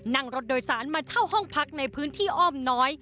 นั่งรถโดยสารมาเช่าห้องพักในพื้นที่อ้อมน้อย